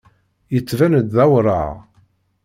Yettban-d d awraɣ.